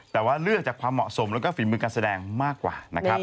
แต่ว่าเลือกจากความเหมาะสมแล้วก็ฝีมือการแสดงมากกว่านะครับ